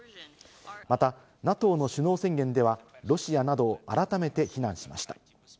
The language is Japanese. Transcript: また、ＮＡＴＯの首脳宣言では、ロシアなどを改めて非難しました。